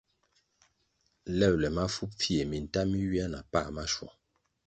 Lebʼle mafu pfie, minta mi ywia na pa maschwong.